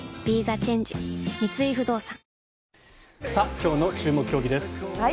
今日の注目競技です。